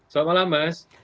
selamat malam mas